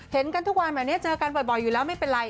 เห็นกันทุกวันแบบนี้เจอกันบ่อยอยู่แล้วไม่เป็นไร